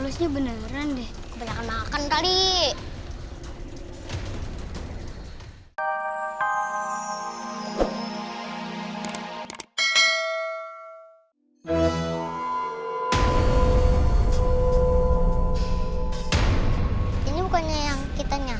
sampai jumpa di video selanjutnya